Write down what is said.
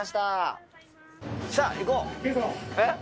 さあ行こう。